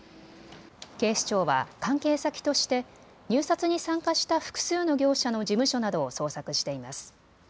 警視庁は関係先として入札に参加した複数の業者の事務所などを捜索しています。